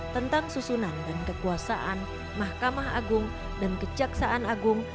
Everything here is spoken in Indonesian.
tentang susunan dan kekuasaan mahkamah agung dan kejaksaan agung